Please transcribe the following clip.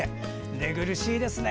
寝苦しいですね。